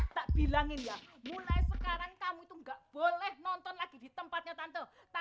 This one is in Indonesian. tak bilangin ya mulai sekarang kamu itu nggak boleh nonton lagi di tempatnya tante